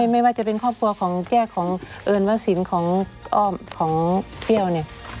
ไม่ว่าจะเป็นครอบครัวของแก้ของเอิญว่าสินของอ้อมของเปรี้ยวเนี่ย